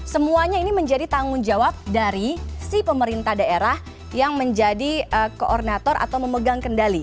semuanya ini menjadi tanggung jawab dari si pemerintah daerah yang menjadi koordinator atau memegang kendali